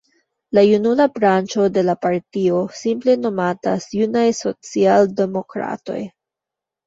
La junula branĉo de la partio simple nomatas Junaj Socialdemokratoj.